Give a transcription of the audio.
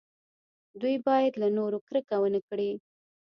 دوی باید له نورو کرکه ونه کړي.